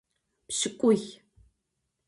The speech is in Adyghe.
Pş'ık'ui.